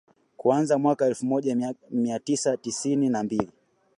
Kuanzia mwaka elfu moja mia tisa tisini na mbili